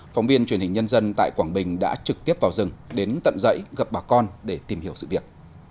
phóng viên truyền hình nhân dân tại quảng bình đã trực tiếp vào rừng đến tận dãy gặp bà con để tìm hiểu sự việc